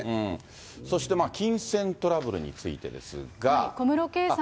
そして、金銭トラブルについてですが。